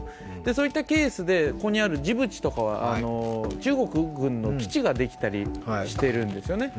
そういったケースで、ここにあるジブチとかは、中国軍の基地ができたりしているんですよね。